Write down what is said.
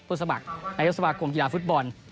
ผู้สมัครในยกสมัครกรมกีฬาฟุตบอล